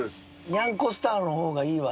「にゃんこスターの方がいいわ。